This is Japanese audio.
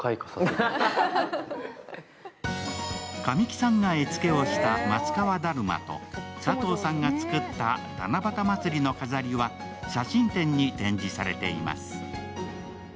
神木さんが絵付けをした松川だるまと佐藤さんが作った七夕まつりの飾りは写真展に展示されています。